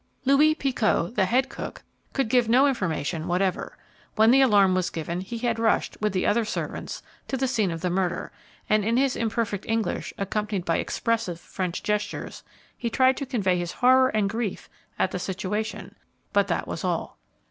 Louis Picot, the head cook, could give no information whatever. When the alarm was given, he had rushed, with the other servants, to the scene of the murder, and in his imperfect English, accompanied by expressive French gestures, he tried to convey his horror and grief at the situation, but that was all.